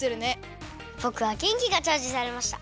ぼくはげんきがチャージされました。